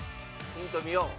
ヒント見よう。